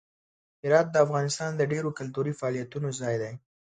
هرات د افغانستان د ډیرو کلتوري فعالیتونو ځای دی.